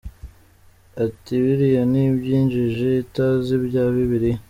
Ati “Biriya ni iby’ injiji itazi ibya bibiliya.